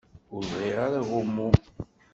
Ur bɣiɣ ara agummu.